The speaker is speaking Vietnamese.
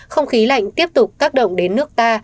không khí lạnh tiếp tục tác động đến nước ta